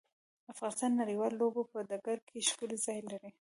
افغانستان د نړیوالو لوبو په ډګر کې ښکلی ځای لري.